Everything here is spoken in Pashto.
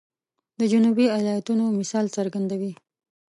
د جنوبي ایالاتونو مثال څرګندوي.